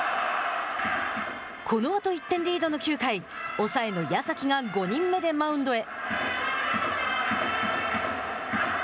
このあと１点リードの９回抑えの矢崎が５人目でマウンドへ。